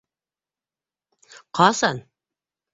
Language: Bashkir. — Ҡасан?